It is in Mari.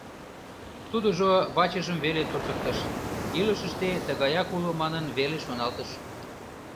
Тудыжо вачыжым веле туртыктыш: илышыште тыгаят уло манын веле шоналтыш.